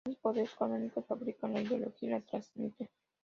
los grandes poderes económicos fabrican la ideología y la transmiten